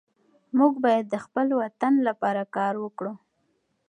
موږ باید د خپل وطن لپاره کار وکړو.